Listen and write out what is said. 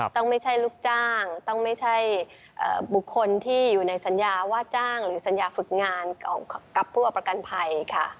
ต้องไม่ใช่ลูกจ้างต้องไม่ใช่บุคคลที่อยู่ในสัญญาว่าจ้างหรือสัญญาฝึกงานกับผู้เอาประกันภัยค่ะ